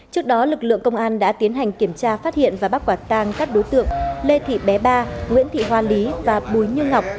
trước đó lực lượng công an đã tiến hành kiểm tra phát hiện và bắt quả tang các đối tượng lê thị bé ba nguyễn thị hoa lý và bùi như ngọc